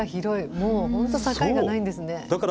もう本当境がないんですね。